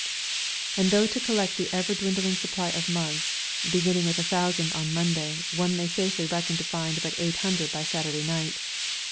_" And though to collect the ever dwindling supply of mugs (beginning with a thousand on Monday, one may safely reckon to find but 800 by Saturday night!